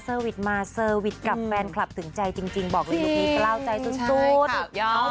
เซอร์วิทมาเซอร์วิทกับแฟนคลับถึงใจจริงบอกเลยลูกนี้ก็เล่าใจซุด